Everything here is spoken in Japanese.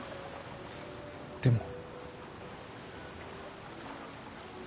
でも。